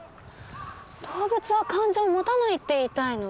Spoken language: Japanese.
動物は感情を持たないって言いたいの？